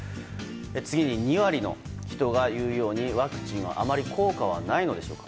次に２割の人が言うようにワクチンはあまり効果はないのでしょうか。